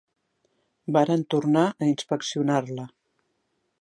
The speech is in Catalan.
Varen tornar a inspeccionar-la